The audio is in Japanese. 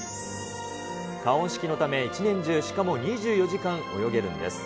加温式のため、一年中、しかも２４時間泳げるんです。